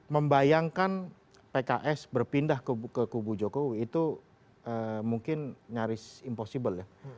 membayangkan pks berpindah ke kubu jokowi itu mungkin nyaris impossible ya